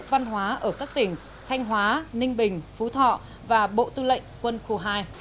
văn hóa ở các tỉnh thanh hóa ninh bình phú thọ và bộ tư lệnh quân khu hai